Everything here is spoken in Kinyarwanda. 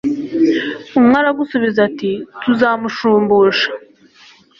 umwe aragusubiza ati tuzamushumbusha